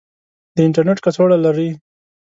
د انترنیټ کڅوړه لرئ؟